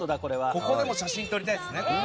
ここでも写真撮りたいですね。